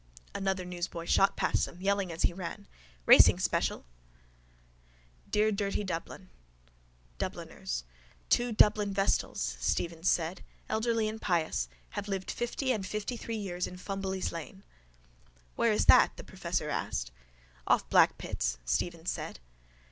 Another newsboy shot past them, yelling as he ran: —Racing special! DEAR DIRTY DUBLIN Dubliners. —Two Dublin vestals, Stephen said, elderly and pious, have lived fifty and fiftythree years in Fumbally's lane. —Where is that? the professor asked. —Off Blackpitts, Stephen said.